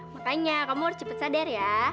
makanya kamu harus cepat sadar ya